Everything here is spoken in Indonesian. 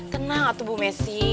kena nggak tuh bu messi